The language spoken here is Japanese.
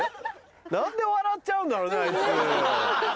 何で笑っちゃうんだろうねあいつ。